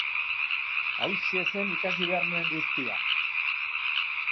Hauxe zen ikasi behar nuen guztia!